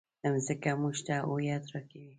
مځکه موږ ته هویت راکوي.